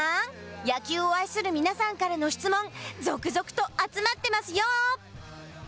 野球を愛する皆さんからの質問続々と集まってますよ。